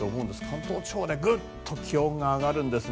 関東地方がぐっと気温が上がるんですね。